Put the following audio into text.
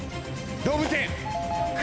動物園！